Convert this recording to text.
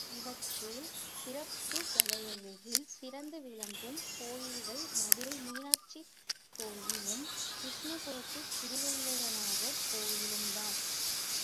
இவற்றில் சிற்பக் கலையழகில் சிறந்து விளங்கும் கோயில்கள் மதுரை மீனாட்சி கோயிலும், கிருஷ்ணாபுரத்து திருவேங்கட நாதர் கோயிலும்தான்.